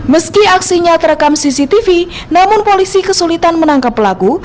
meski aksinya terekam cctv namun polisi kesulitan menangkap pelaku